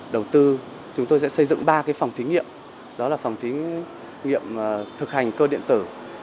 đầu tư chúng tôi sẽ xây dựng ba phòng thí nghiệm đó là phòng thí nghiệm thực hành cơ điện tử